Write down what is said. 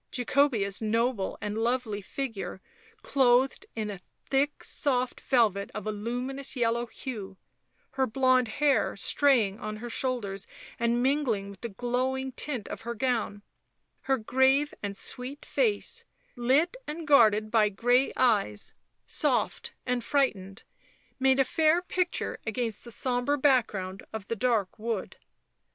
Jacobea's noble and lovely figure, clothed in a thick soft velvet of a luminous yellow hue; her blonde hair, straying on her shoulders and mingling with the glowing tint of her gown; her grave and sweet face, lit and guarded by grey eyes, soft and frightened, made a fair picture against the sombre background of the dark wood.